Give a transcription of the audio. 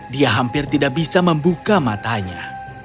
dia hampir tidak bisa membuka matanya